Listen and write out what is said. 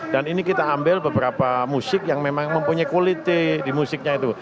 dan ini kita ambil beberapa musik yang memang mempunyai quality di musiknya itu